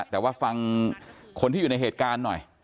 แต่ว่าฟังคนที่อยู่ในเหตุการณ์หน่อย